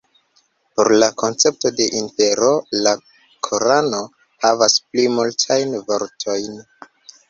Por la koncepto de infero la korano havas pli multajn vortojn.